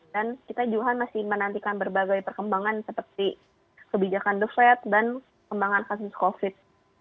dan kita juga masih menantikan berbagai perkembangan seperti kebijakan duvet dan kembangan kasus covid